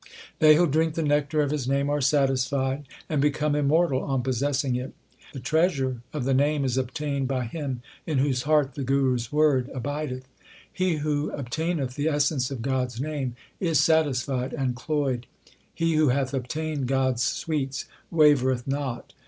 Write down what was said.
They who drink the nectar of His name are satisfied, And become immortal on possessing it. The treasure of the Name is obtained by him in whose heart the Guru s word abideth. He who obtaineth the essence of God s name is satisfied and cloyed. He who hath obtained God s sweets wavereth not.